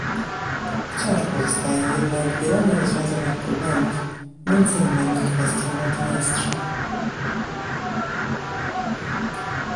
Wciąż pozostaje jednak wiele nierozwiązanych problemów, między innymi kwestia Naddniestrza